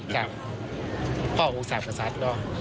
กับศาษม์ศาสตร์ความร่วมเจียกมี